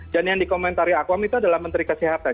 dan yang dikomentari akuam itu adalah menteri kesehatan